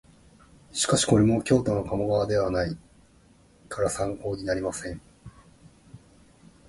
しかしこれも京都の鴨川ではないから参考になりません